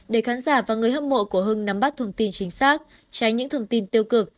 để khán giả và người hâm mộ của hưng nắm bắt thông tin chính xác tránh những thông tin tiêu cực